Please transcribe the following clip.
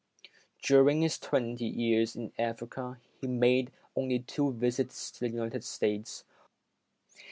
During his twenty years in Africa, he made only two visits to the United States.